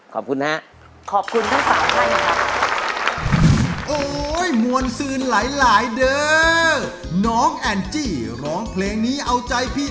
ขอบคุณนะครับ